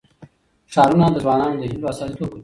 ښارونه د ځوانانو د هیلو استازیتوب کوي.